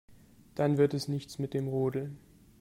Dann wird es nichts mit dem Rodeln.